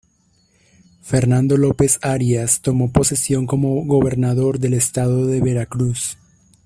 Fernando López Arias tomó posesión como gobernador del estado de Veracruz.